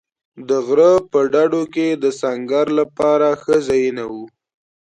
د غره په ډډو کې د سنګر لپاره ښه ځایونه و.